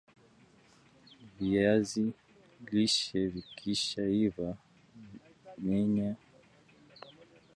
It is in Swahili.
viazi lishe vikisha iva menya